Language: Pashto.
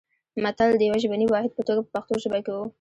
متل د یوه ژبني واحد په توګه په پښتو ژبه کې و